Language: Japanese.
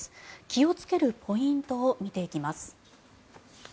気をつけるポイントを見ていきます。